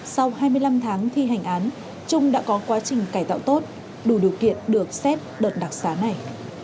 sau hai mươi năm tháng thi hành án trung đã có quá trình cải tạo tốt đủ điều kiện được xét đợt đặc xá này